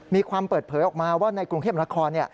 มีความเปิดเผยออกมาว่าในกรุงเทพนคร